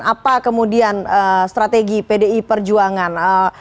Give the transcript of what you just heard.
apa kemudian strategi pdi perjuangan